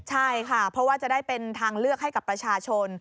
ใช่ค่ะเพราะว่าจะได้เป็นทางเลือกให้กับประชาชน